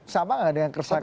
sama gak dengan keresahan lain